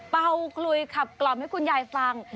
เป่าคลุยขับกล่อมให้คุณยายฟัง